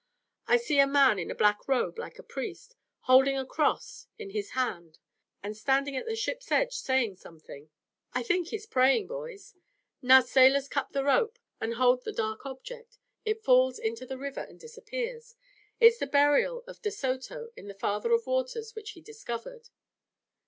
I see a man in a black robe like a priest, holding a cross in his hand and standing at the ship's edge saying something. I think he's praying, boys. Now sailors cut the ropes that hold the dark object. It falls into the river and disappears. It's the burial of De Soto in the Father of Waters which he discovered!"